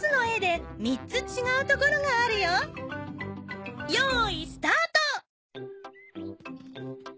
よいスタート！